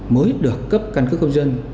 mới được cấp căn cứ công dân